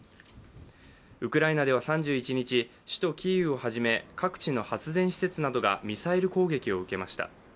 ウクライナでは３１日、首都キーウをはじめ各地の発電施設などがミサイル攻撃を受けました。